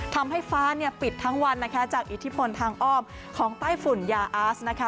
ทำให้ฟ้าปิดทั้งวันนะคะจากอิทธิพลทางอ้อมของใต้ฝุ่นยาอาสนะคะ